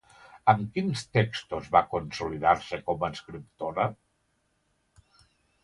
Amb quins textos va consolidar-se com a escriptora?